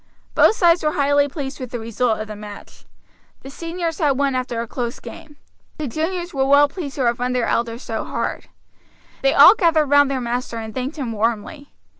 Both sides were highly pleased with the result of the match. The seniors had won after a close game. The juniors were well pleased to have run their elders so hard. They all gathered round their master and thanked him warmly.